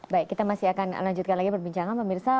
baik kita masih akan lanjutkan lagi perbincangan pak mirsa